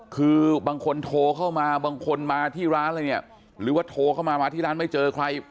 คือบางคนโทรเข้ามาบางคนมาที่ร้านอะไรเนี่ยหรือว่าโทรเข้ามามาที่ร้านไม่เจอใคร